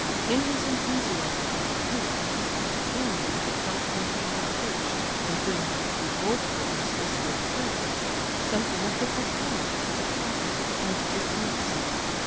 In his enthusiasm for the theatre he felt again what he had felt when he had preached, and when he had revolted against the school prayers, something of the proclaimer, the prophet, and the soothsayer.